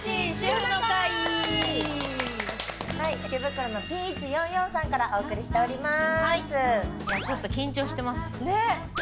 池袋のＰ１４４さんからお送りしております。